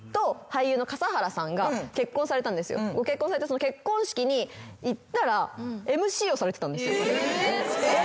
その結婚式に行ったらＭＣをされてたんですよ。